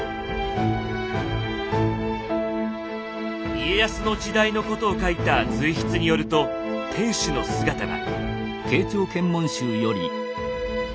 家康の時代のことを書いた随筆によると天守の姿は。